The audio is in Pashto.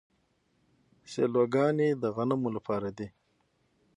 سیلوګانې د غنمو لپاره دي.